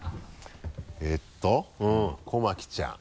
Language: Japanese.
えっと小牧ちゃん。